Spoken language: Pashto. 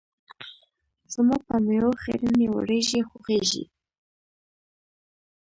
زما په میو خیرنې وريژې خوښیږي.